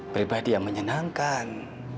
pribadi yang menyenangkan